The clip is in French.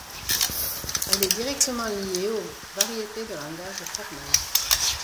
Elle est directement liée aux variétés de langages formels.